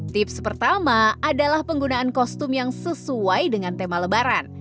tips pertama adalah penggunaan kostum yang sesuai dengan tema lebaran